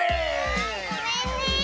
あごめんね！